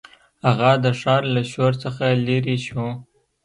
هغه د ښار له شور څخه لیرې شو.